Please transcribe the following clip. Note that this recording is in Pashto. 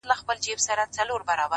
زه او هزاره د کوټې انډیوال ورغلو